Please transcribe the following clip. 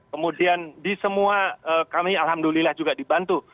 kemudian di semua kami alhamdulillah juga dibantu